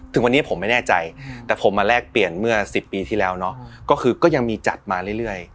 ถึงวันนี้ผมไม่แน่ใจแต่ผมมาแลกเปลี่ยนเมื่อ๑๐ปีที่แล้วเนาะก็คือก็ยังมีจัดมาเรื่อย